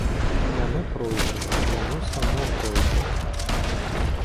Яно пройдзе, яно само пройдзе.